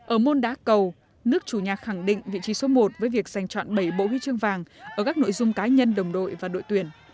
ở môn đá cầu nước chủ nhà khẳng định vị trí số một với việc giành chọn bảy bộ huy chương vàng ở các nội dung cá nhân đồng đội và đội tuyển